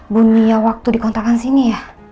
bu nia waktu dikontrakan sini ya